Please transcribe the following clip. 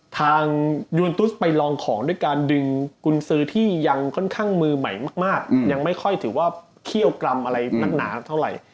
ยูนตุสไปลองของด้วยการดึงกุญสือที่ยังค่อนข้างมือใหม่มากยังไม่ค่อยถือว่าเคี่ยวกรำอะไรนักหนาเท่าไหร่